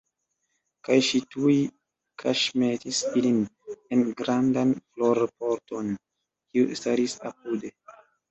Kaj ŝi tuj kaŝmetis ilin en grandan florpoton, kiu staris apude.